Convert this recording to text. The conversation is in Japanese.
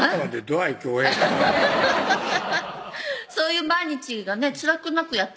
アハハハハッそういう毎日がねつらくなくやってんでしょ？